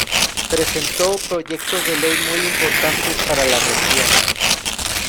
Presentó proyectos de Ley muy importantes para la región.